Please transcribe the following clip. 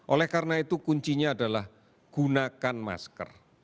oleh karena itu kuncinya adalah gunakan masker